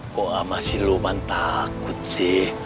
kok sama si luman takut sih